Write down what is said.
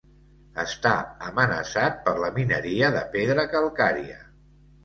Està amenaçat per la mineria de pedra calcària.